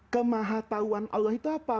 kemahatauan allah itu apa